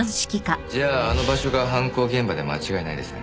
じゃああの場所が犯行現場で間違いないですね。